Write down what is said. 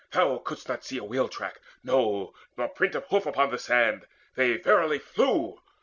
Thou couldst not see a wheel track, no, nor print Of hoof upon the sand they verily flew.